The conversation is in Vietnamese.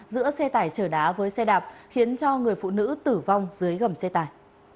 giữa xe tải chở đá với xe đạp khiến cho người phụ nữ tử vong dưới gầm xe tải